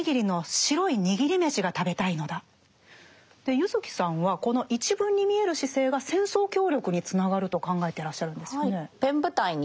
柚木さんはこの一文に見える姿勢が戦争協力につながると考えてらっしゃるんですよね。